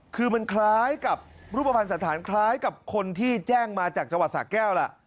คือมันคล้ายกับรูปภัณฑ์สถานคล้ายกับคนที่แจ้งมาจากจังหวัดสะแก้วล่ะ